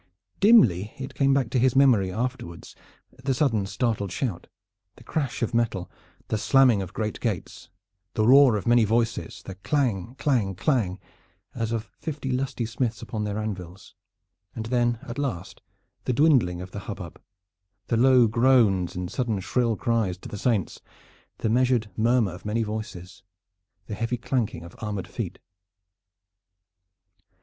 Dimly it came back to his memory afterwards the sudden startled shout, the crash of metal, the slamming of great gates, the roar of many voices, the clang, clang, clang, as of fifty lusty smiths upon their anvils, and then at last the dwindling of the hubbub, the low groans and sudden shrill cries to the saints, the measured murmur of many voices, the heavy clanking of armored feet.